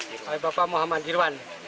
bapak iwan bapak muhammad iwan